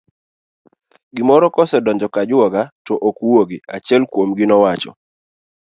gimoro kosedonjo kajwoga to ok wuogi, achiel kuomgi nowacho mh!